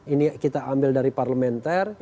ini kita ambil dari parlementer